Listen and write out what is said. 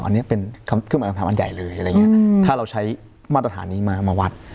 อันนี้เป็นคำถามอันใหญ่เลยถ้าเราใช้มาตรฐานนี้มาวัด